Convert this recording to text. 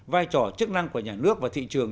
vai trò chức năng của nhà nước và thị trường